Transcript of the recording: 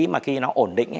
mà khi nó ổn định